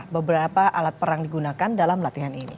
beberapa alat perang digunakan dalam latihan ini